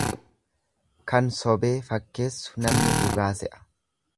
Kan sobee fakkeessu namni dhugaa se'a.